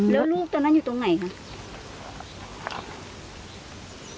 แล้วลูกตอนนั้นอยู่ตรงไหนคะ